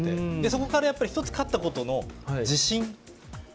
そこから１つ勝ったことの自信。